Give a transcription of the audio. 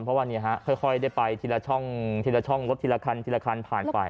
เพราะว่าค่อยได้ไปทีละช่องทีละช่องรถทีละคันทีละคันผ่านไป